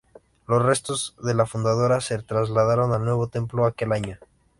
Los restos de la fundadora se trasladaron al nuevo templo aquel año.